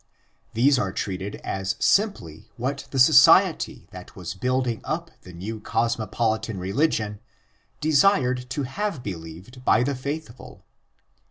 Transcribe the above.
These are treated as simply what the society that was building up the new cosmopolitan religion desired to have believed by the faithful.